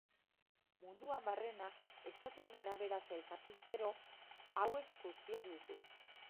Munduan barrena, estatuen arabera sailkatuz gero, hauek guztiak ditu.